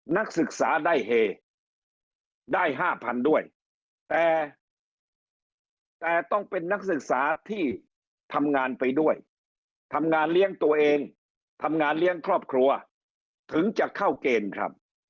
นักศึกษาได้เฮได้๕๐๐๐ด้วยแต่ต้องเป็นนักศึกษาที่ทำงานไปด้วยทำงานเลี้ยงตัวเองทำงานเลี้ยงครอบครัวถึงจะเข้าเกณฑ์ครับ